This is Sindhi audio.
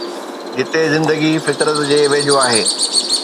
جتي زندگي فطرت جي ويجهو آهي.